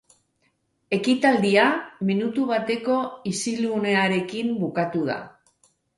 Ekitaldia minutu bateko isilunearekin bukatu da.